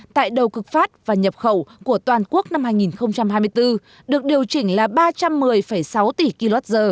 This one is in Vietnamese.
tại đầu cực phát và nhập khẩu của toàn quốc năm hai nghìn hai mươi bốn được điều chỉnh là ba trăm một mươi sáu tỷ kwh